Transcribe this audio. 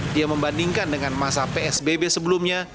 dia membandingkan dengan masa psbb sebelumnya